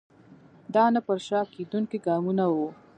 دا نه پر شا کېدونکي ګامونه وو.